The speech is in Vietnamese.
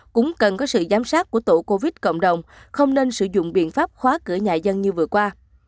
cũng cần có sự giám sát của tổ covid cộng đồng không nên sử dụng biện pháp khóa cửa nhà dân như vừa qua